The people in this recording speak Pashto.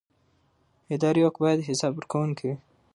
اداري واک باید حساب ورکوونکی وي.